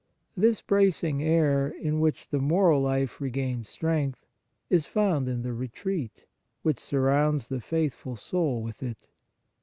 This bracing air, in which the moral life regains strength, is found in the retreat, which surrounds the faithful soul with it.